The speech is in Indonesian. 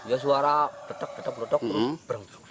ya suara petak petak berotok berong